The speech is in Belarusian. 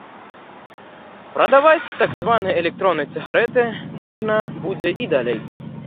Прадаваць так званыя электронныя цыгарэты можна будзе і далей.